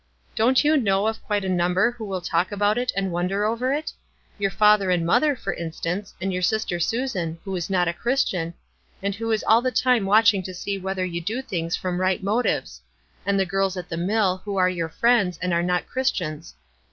"Don't you know of quite a number who will talk about it, and wonder over it? Your father and mother, for instance; and your sister Susan, who is not a Christian, and who is all the time watching to see whether you do things from right motives ; and the girls at the mill, who are your friends, and are not Christians.